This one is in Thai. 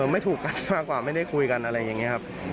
ไม่ถูกกันมากกว่าไม่ได้คุยกันอะไรอย่างนี้ครับ